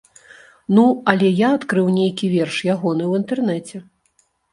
Ну але я адкрыў нейкі верш ягоны ў інтэрнэце.